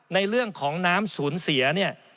ในเรื่องของน้ำศูนย์เสีย